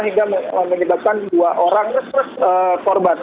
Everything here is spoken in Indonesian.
hingga menyebabkan dua orang terus terus korban